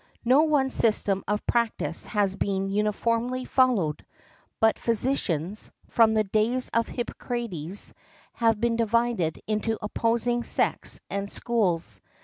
No one system of practice has been uniformly followed, but physicians, from the days of Hippocrates, have been divided into opposing sects and schools.